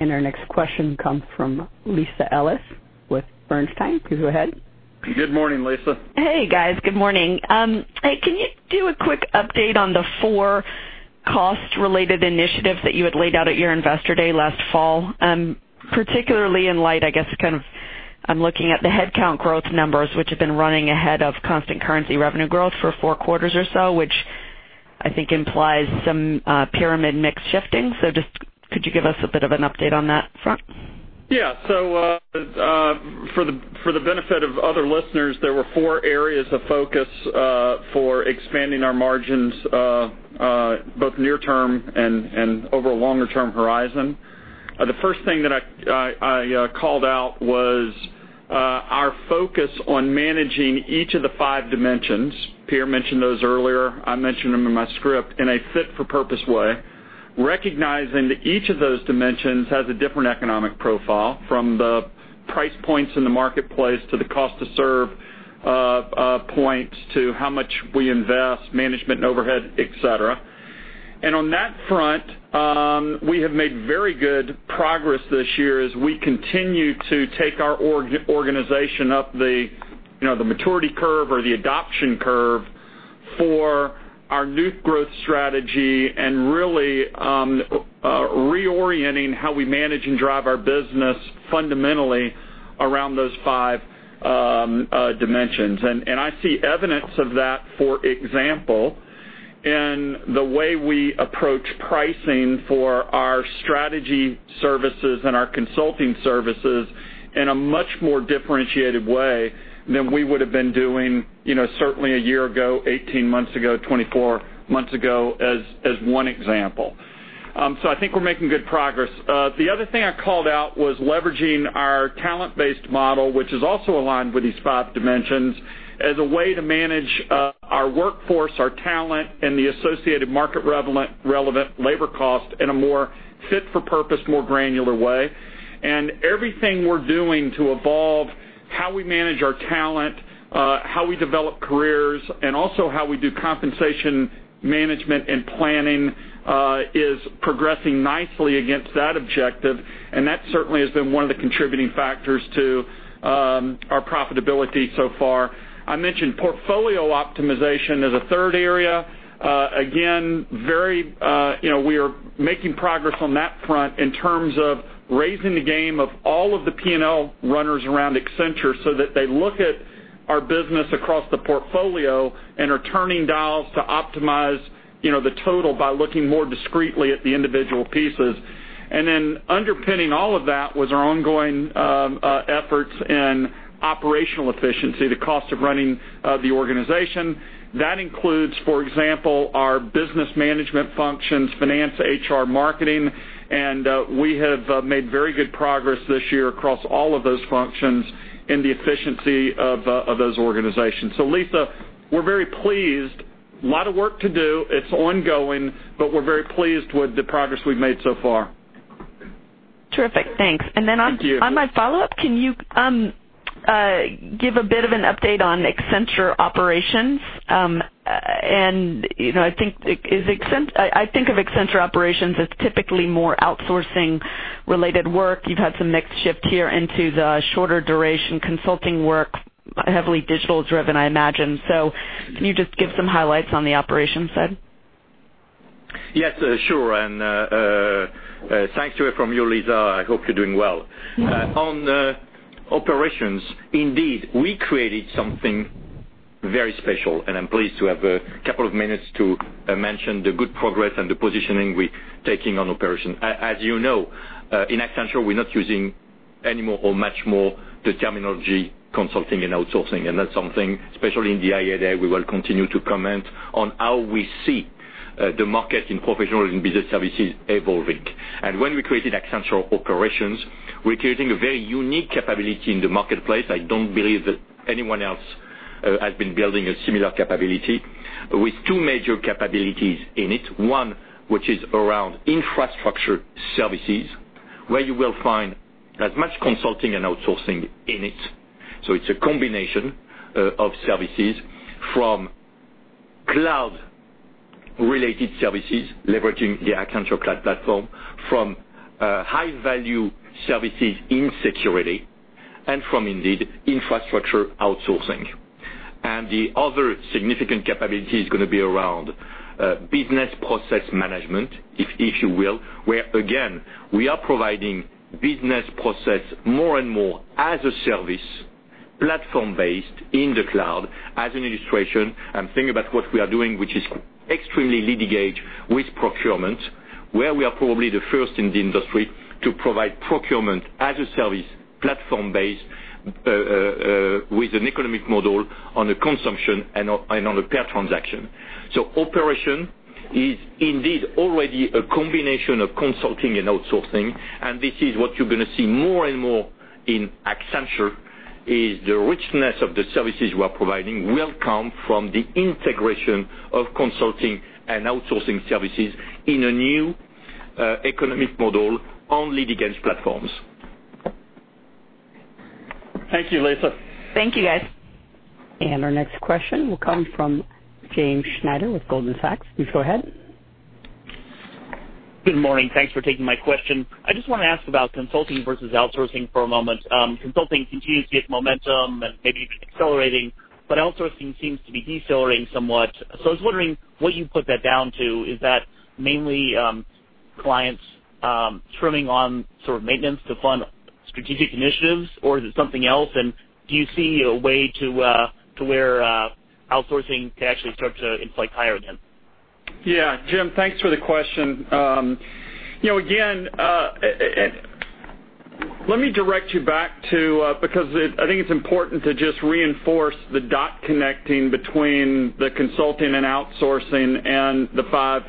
Our next question comes from Lisa Ellis with Bernstein. Please go ahead. Good morning, Lisa. Hey, guys. Good morning. Hey, can you do a quick update on the four cost-related initiatives that you had laid out at your Investor Day last fall? Particularly in light, I'm looking at the headcount growth numbers, which have been running ahead of constant currency revenue growth for four quarters or so, which I think implies some pyramid mix shifting. Just could you give us a bit of an update on that front? Yeah. For the benefit of other listeners, there were four areas of focus for expanding our margins both near term and over a longer-term horizon. The first thing that I called out was our focus on managing each of the five dimensions. Pierre mentioned those earlier, I mentioned them in my script, in a fit for purpose way, recognizing that each of those dimensions has a different economic profile, from the price points in the marketplace to the cost to serve points to how much we invest, management and overhead, et cetera. On that front, we have made very good progress this year as we continue to take our organization up the maturity curve or the adoption curve for our new growth strategy and really reorienting how we manage and drive our business fundamentally around those five dimensions. I see evidence of that, for example, in the way we approach pricing for our strategy services and our consulting services in a much more differentiated way than we would've been doing certainly a year ago, 18 months ago, 24 months ago, as one example. I think we're making good progress. The other thing I called out was leveraging our talent-based model, which is also aligned with these five dimensions, as a way to manage our workforce, our talent, and the associated market-relevant labor cost in a more fit for purpose, more granular way. Everything we're doing to evolve how we manage our talent, how we develop careers, and also how we do compensation management and planning, is progressing nicely against that objective, and that certainly has been one of the contributing factors to our profitability so far. I mentioned portfolio optimization as a third area. Again, we are making progress on that front in terms of raising the game of all of the P&L runners around Accenture so that they look at our business across the portfolio and are turning dials to optimize the total by looking more discreetly at the individual pieces. Underpinning all of that was our ongoing efforts in operational efficiency, the cost of running the organization. That includes, for example, our business management functions, finance, HR, marketing, and we have made very good progress this year across all of those functions in the efficiency of those organizations. Lisa, we're very pleased. Lot of work to do, it's ongoing, but we're very pleased with the progress we've made so far. Terrific. Thanks. Thank you. On my follow-up, can you give a bit of an update on Accenture Operations? I think of Accenture Operations as typically more outsourcing-related work. You've had some mix shift here into the shorter duration consulting work, heavily digital-driven, I imagine. Can you just give some highlights on the operations side? Yes, sure. Thanks to it from you, Lisa. I hope you're doing well. Yeah. On operations, indeed, we created something very special, and I'm pleased to have a couple of minutes to mention the good progress and the positioning we're taking on Operations. As you know, in Accenture, we're not using any more or much more the terminology consulting and outsourcing. That's something, especially in the Investor Day, we will continue to comment on how we see the market in professional and business services evolving. When we created Accenture Operations, we're creating a very unique capability in the marketplace. I don't believe that anyone else has been building a similar capability with two major capabilities in it. One, which is around infrastructure services, where you will find as much consulting and outsourcing in it. It's a combination of services from cloud-related services, leveraging the Accenture Cloud Platform, from high-value services in security, and from, indeed, infrastructure outsourcing. The other significant capability is going to be around business process management, if you will, where, again, we are providing business process more and more as a service, platform-based in the cloud. As an illustration, think about what we are doing, which is extremely leading-edge with procurement, where we are probably the first in the industry to provide procurement-as-a-service, platform-based, with an economic model on a consumption and on a per transaction. Operation is indeed already a combination of consulting and outsourcing, and this is what you're going to see more and more in Accenture, is the richness of the services we're providing will come from the integration of consulting and outsourcing services in a new economic model on leading-edge platforms. Thank you, Lisa. Thank you, guys. Our next question will come from James Schneider with Goldman Sachs. Please go ahead. Good morning. Thanks for taking my question. I just want to ask about consulting versus outsourcing for a moment. Consulting continues to get momentum and maybe even accelerating, but outsourcing seems to be decelerating somewhat. I was wondering what you put that down to. Is that mainly clients trimming on sort of maintenance to fund strategic initiatives, or is it something else? Do you see a way to where outsourcing can actually start to inflect higher again? Jim, thanks for the question. Let me direct you back to, because I think it's important to just reinforce the dot connecting between the consulting and outsourcing and the five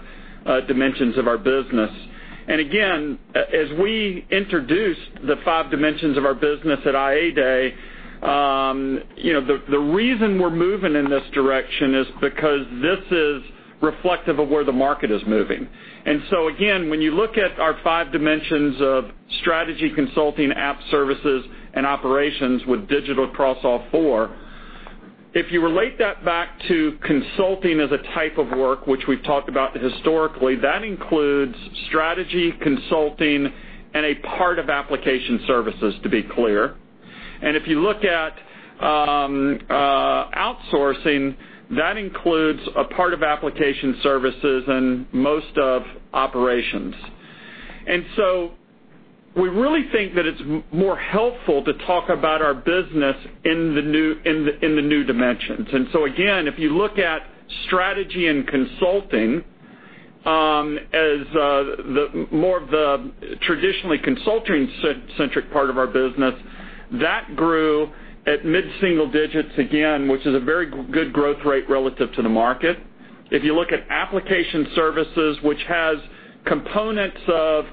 dimensions of our business. Again, as we introduced the five dimensions of our business at IADay, the reason we're moving in this direction is because this is reflective of where the market is moving. Again, when you look at our five dimensions of strategy, consulting, app services, and operations with digital across all four, if you relate that back to consulting as a type of work, which we've talked about historically, that includes strategy, consulting, and a part of application services, to be clear. If you look at outsourcing, that includes a part of application services and most of operations. We really think that it's more helpful to talk about our business in the new dimensions. Again, if you look at strategy and consulting as more of the traditionally consulting-centric part of our business, that grew at mid-single digits, again, which is a very good growth rate relative to the market. If you look at application services, which has components of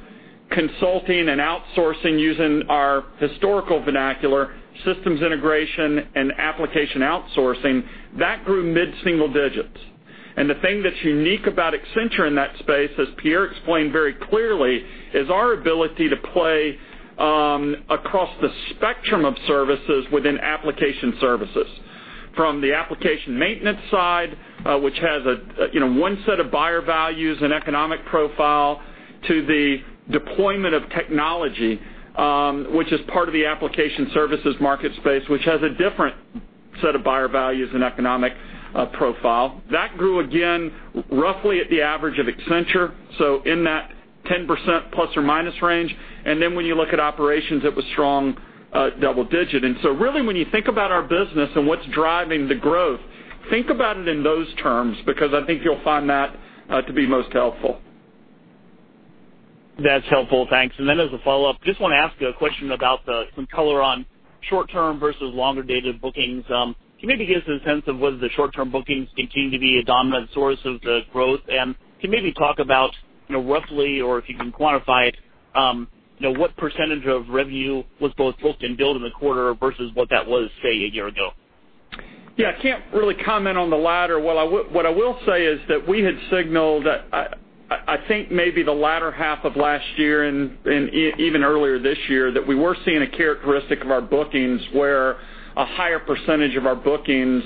consulting and outsourcing using our historical vernacular, systems integration and application outsourcing, that grew mid-single digits. The thing that's unique about Accenture in that space, as Pierre explained very clearly, is our ability to play across the spectrum of services within application services. From the application maintenance side, which has one set of buyer values and economic profile, to the deployment of technology, which is part of the application services market space, which has a different set of buyer values and economic profile. That grew, again, roughly at the average of Accenture, so in that 10% plus or minus range. When you look at operations, it was strong double digit. Really, when you think about our business and what's driving the growth, think about it in those terms, because I think you'll find that to be most helpful. That's helpful. Thanks. As a follow-up, just want to ask you a question about some color on short-term versus longer-dated bookings. Can you maybe give us a sense of whether the short-term bookings continue to be a dominant source of the growth? Can you maybe talk about roughly, or if you can quantify it, what % of revenue was both booked and billed in the quarter versus what that was, say, a year ago? Yeah. I can't really comment on the latter. What I will say is that we had signaled, I think maybe the latter half of last year and even earlier this year, that we were seeing a characteristic of our bookings where a higher % of our bookings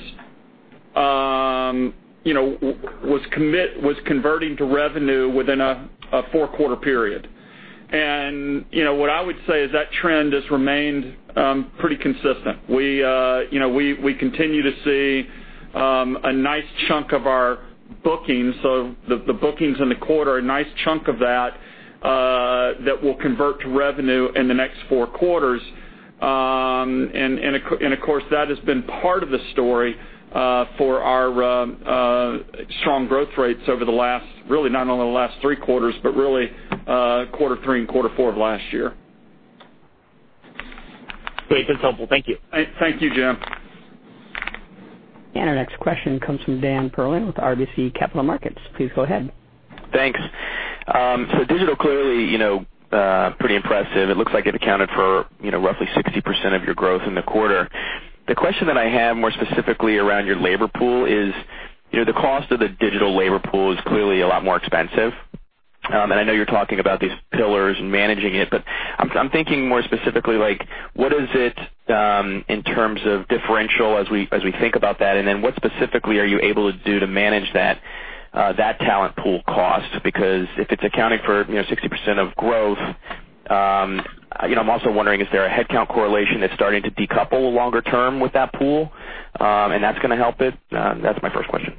was converting to revenue within a four-quarter period. What I would say is that trend has remained pretty consistent. We continue to see a nice chunk of our bookings, so the bookings in the quarter, a nice chunk of that will convert to revenue in the next four quarters. Of course, that has been part of the story for our strong growth rates over the last, really not only the last three quarters, but really, quarter three and quarter four of last year. Great. That's helpful. Thank you. Thank you, Jim. Our next question comes from Dan Perlin with RBC Capital Markets. Please go ahead. Thanks. Digital, clearly pretty impressive. It looks like it accounted for roughly 60% of your growth in the quarter. The question that I have more specifically around your labor pool is, the cost of the digital labor pool is clearly a lot more expensive. I know you're talking about these pillars and managing it, but I'm thinking more specifically, what is it in terms of differential as we think about that? Then what specifically are you able to do to manage that talent pool cost? Because if it's accounting for 60% of growth, I'm also wondering, is there a headcount correlation that's starting to decouple longer term with that pool, and that's going to help it? That's my first question.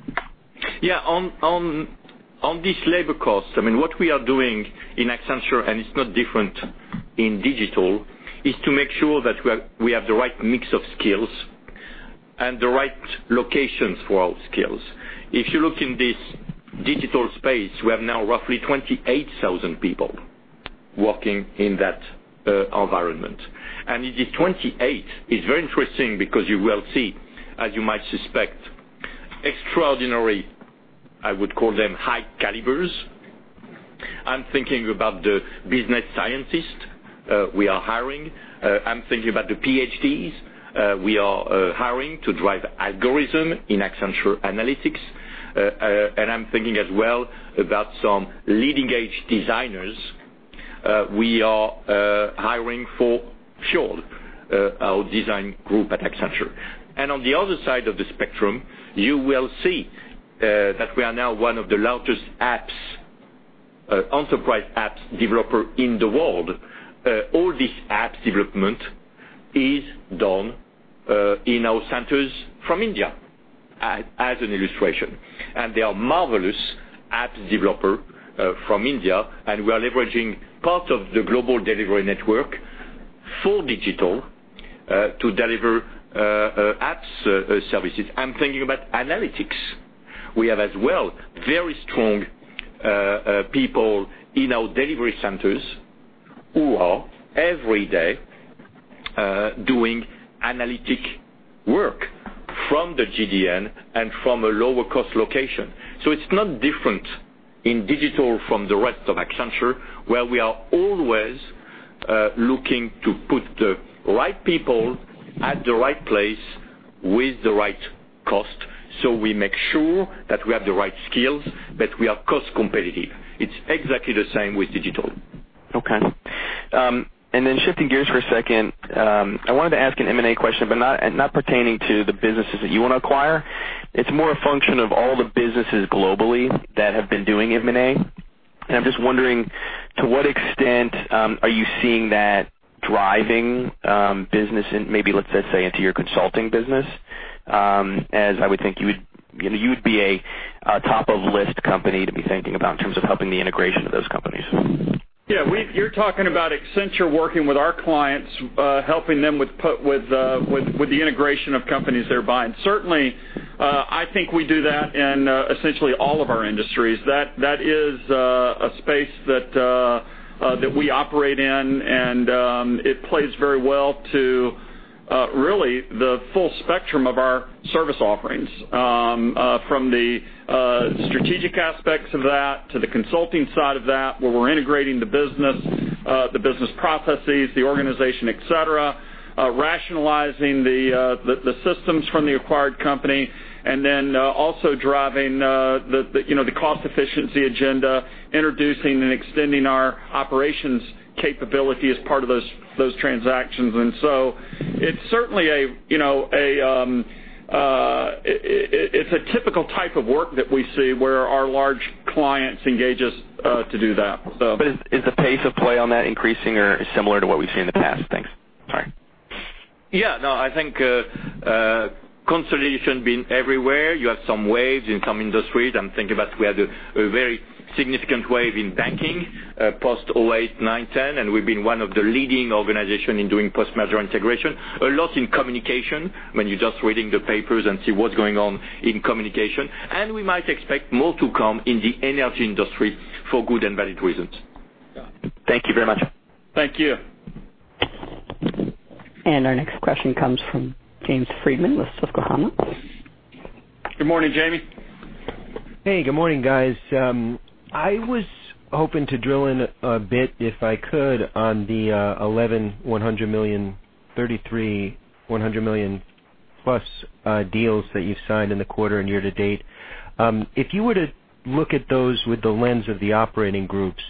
Yeah. On this labor cost, what we are doing in Accenture, it's not different in digital, is to make sure that we have the right mix of skills and the right locations for our skills. If you look in this digital space, we have now roughly 28,000 people working in that environment. This 28 is very interesting because you will see, as you might suspect, extraordinary, I would call them high calibers. I'm thinking about the business scientists we are hiring. I'm thinking about the PhDs we are hiring to drive algorithm in Accenture Analytics. I'm thinking as well about some leading-edge designers we are hiring for Fjord, our design group at Accenture. On the other side of the spectrum, you will see that we are now one of the largest enterprise apps developer in the world. All these apps development is done in our centers from India, as an illustration. They are marvelous apps developer from India, and we are leveraging part of the global delivery network for digital, to deliver apps services. I'm thinking about analytics. We have as well, very strong people in our delivery centers who are every day, doing analytic work from the GDN and from a lower cost location. It's not different in digital from the rest of Accenture, where we are always looking to put the right people at the right place with the right cost so we make sure that we have the right skills, but we are cost competitive. It's exactly the same with digital. Okay. Shifting gears for a second, I wanted to ask an M&A question, not pertaining to the businesses that you want to acquire. It's more a function of all the businesses globally that have been doing M&A. I'm just wondering to what extent are you seeing that driving business in maybe, let's say, into your consulting business? As I would think you'd be a top of list company to be thinking about in terms of helping the integration of those companies. Yeah. You're talking about Accenture working with our clients, helping them with the integration of companies they're buying. Certainly, I think we do that in essentially all of our industries. That is a space that we operate in and it plays very well to really the full spectrum of our service offerings. From the strategic aspects of that to the consulting side of that, where we're integrating the business processes, the organization, et cetera, rationalizing the systems from the acquired company, then also driving the cost efficiency agenda, introducing and extending our operations capability as part of those transactions. It's a typical type of work that we see where our large clients engage us to do that, so. Is the pace of play on that increasing or similar to what we've seen in the past? Thanks. Sorry. Yeah, no, I think consolidation been everywhere. You have some waves in some industries. I'm thinking about we had a very significant wave in banking post 2008, 2009, 2010, and we've been one of the leading organization in doing post-merger integration. A lot in communication, when you're just reading the papers and see what's going on in communication. We might expect more to come in the energy industry for good and valid reasons. Thank you very much. Thank you. Our next question comes from James Friedman with Susquehanna. Good morning, Jamie. Hey, good morning, guys. I was hoping to drill in a bit, if I could, on the 11 $100 million, 33 $100 million-plus deals that you've signed in the quarter and year to date. If you were to look at those with the lens of the operating groups,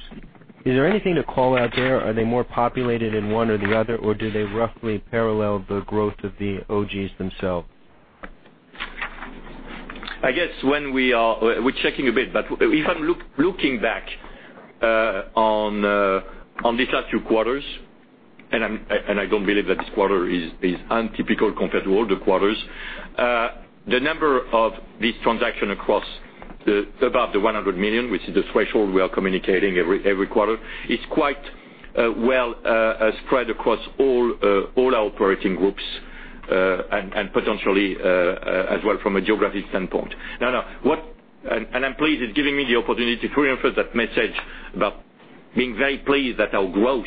is there anything to call out there? Are they more populated in one or the other, or do they roughly parallel the growth of the OGs themselves? I guess we're checking a bit, but if I'm looking back on these last two quarters, I don't believe that this quarter is untypical compared to all the quarters. The number of these transactions across above the $100 million, which is the threshold we are communicating every quarter, is quite well spread across all our operating groups, and potentially, as well from a geographic standpoint. I'm pleased it's giving me the opportunity to reinforce that message about being very pleased that our growth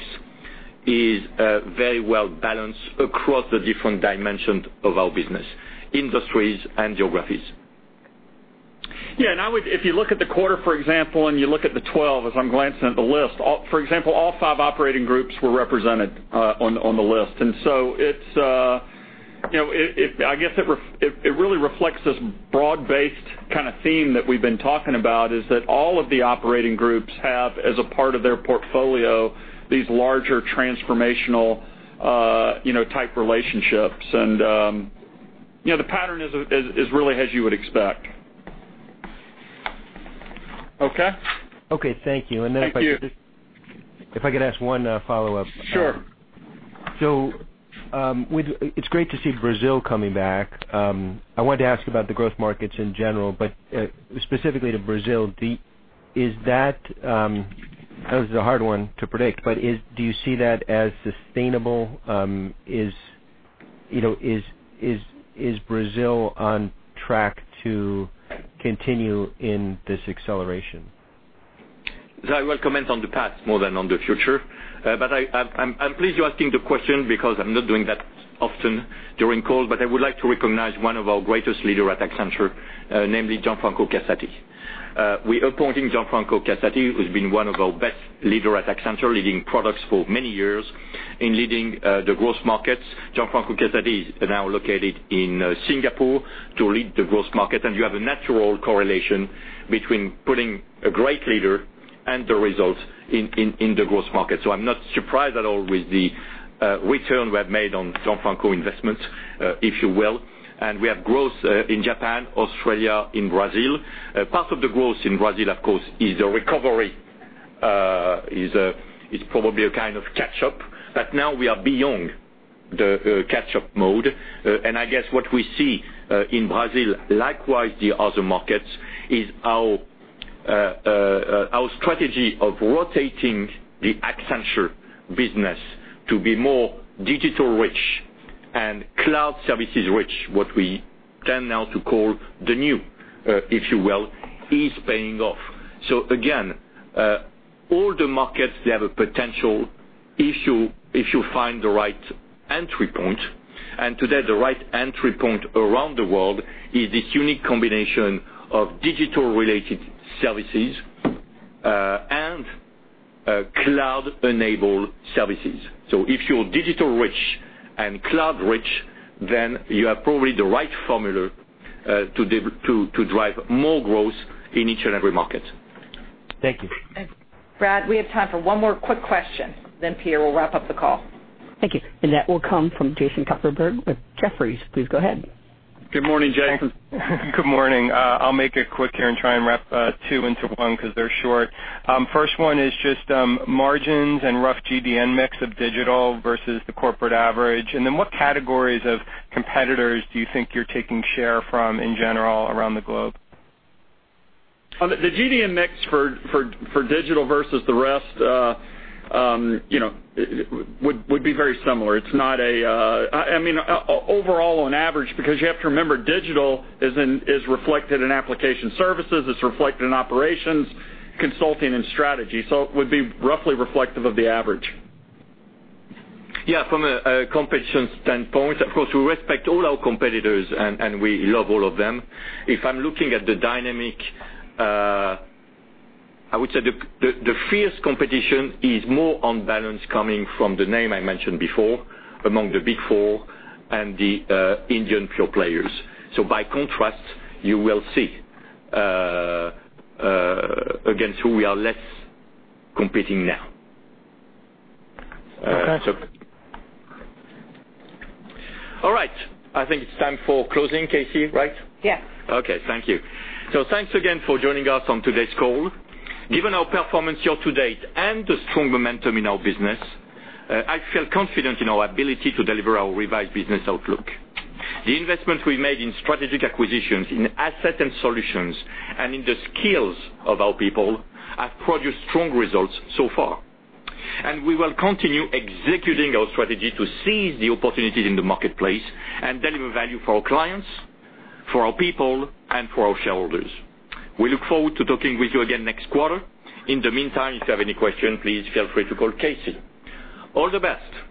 is very well-balanced across the different dimensions of our business, industries, and geographies. Yeah, if you look at the quarter, for example, and you look at the 12, as I'm glancing at the list, for example, all five operating groups were represented on the list. I guess it really reflects this broad-based kind of theme that we've been talking about, is that all of the operating groups have, as a part of their portfolio, these larger transformational type relationships. The pattern is really as you would expect. Okay? Okay. Thank you. Thank you. If I could ask one follow-up. Sure. It's great to see Brazil coming back. I wanted to ask about the growth markets in general, but specifically to Brazil. I know this is a hard one to predict, but do you see that as sustainable? Is Brazil on track to continue in this acceleration? I will comment on the past more than on the future. I'm pleased you're asking the question because I'm not doing that often during calls. I would like to recognize one of our greatest leader at Accenture, namely Gianfranco Casati. We're appointing Gianfranco Casati, who's been one of our best leader at Accenture, leading products for many years, in leading the growth markets. Gianfranco Casati is now located in Singapore to lead the growth market. You have a natural correlation between putting a great leader and the results in the growth market. I'm not surprised at all with the return we have made on Gianfranco investment, if you will. We have growth in Japan, Australia, in Brazil. Part of the growth in Brazil, of course, is a recovery. It's probably a kind of catch-up. Now we are beyond the catch-up mode. I guess what we see in Brazil, likewise, the other markets, is our strategy of rotating the Accenture business to be more digital rich and cloud services rich, what we tend now to call the new, if you will, is paying off. Again, all the markets, they have a potential if you find the right entry point. Today, the right entry point around the world is this unique combination of digital-related services, and cloud-enabled services. If you're digital rich and cloud rich, then you have probably the right formula to drive more growth in each and every market. Thank you. Brad, we have time for one more quick question, then Pierre will wrap up the call. Thank you. That will come from Jason Kupferberg with Jefferies. Please go ahead. Good morning, Jason. Good morning. I'll make it quick here and try and wrap two into one because they're short. First one is just margins and rough GDN mix of digital versus the corporate average. What categories of competitors do you think you're taking share from in general around the globe? The GDN mix for digital versus the rest would be very similar. Overall, on average, because you have to remember, digital is reflected in application services, it's reflected in Operations, Consulting, and Strategy. It would be roughly reflective of the average. Yeah, from a competition standpoint, of course, we respect all our competitors, and we love all of them. If I'm looking at the dynamic, I would say the fierce competition is more on balance coming from the name I mentioned before, among the Big Four and the Indian pure players. By contrast, you will see against who we are less competing now. Okay. All right. I think it's time for closing, KC, right? Yes. Okay. Thank you. Thanks again for joining us on today's call. Given our performance year-to-date and the strong momentum in our business, I feel confident in our ability to deliver our revised business outlook. The investment we made in strategic acquisitions, in asset and solutions, and in the skills of our people, have produced strong results so far. We will continue executing our strategy to seize the opportunities in the marketplace and deliver value for our clients, for our people, and for our shareholders. We look forward to talking with you again next quarter. In the meantime, if you have any questions, please feel free to call KC. All the best.